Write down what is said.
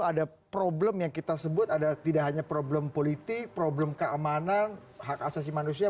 ada problem yang kita sebut ada tidak hanya problem politik problem keamanan hak asasi manusia